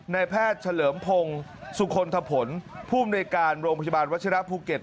นายแพทย์เฉลิมพงศ์สุขลทภนผู้มนตรีการโรงพยาบาลวัชรภูเก็ต